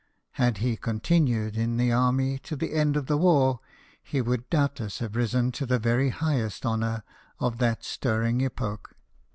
Had he continued in the army to the end of the war, he would doubtless have risen to the very highest honours of that stirring epoch.